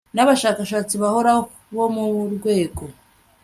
n abashakashatsi bahoraho bo mu rwego